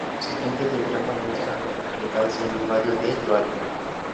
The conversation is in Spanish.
El siguiente diagrama muestra a las localidades en un radio de de Joanna.